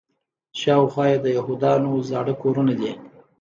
شاوخوا یې د یهودانو زاړه کورونه دي.